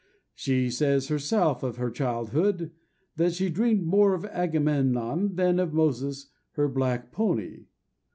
She says herself of her childhood that "she dreamed more of Agamemnon than of Moses her black pony."